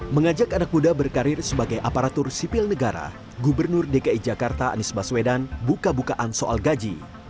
mengajak anak muda berkarir sebagai aparatur sipil negara gubernur dki jakarta anies baswedan buka bukaan soal gaji